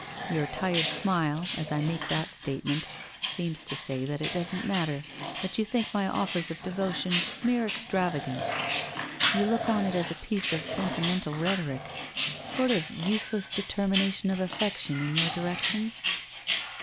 ... Your tired smile, as I make that statement, seems to say that it doesn't matter, that you think my offers of devotion mere extravagance. You look on it as a piece of sentimental rhetoric — sort of useless determination of affection in your direction?'